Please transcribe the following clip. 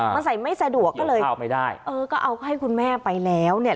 มันใส่ไม่สะดวกก็เลยเอาให้คุณแม่ไปแล้วเนี่ย